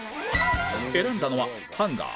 選んだのは「ハンガー」